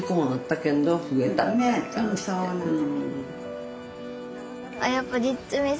そうなの。